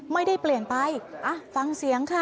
ไม่ได้เปลี่ยนไปฟังเสียงค่ะ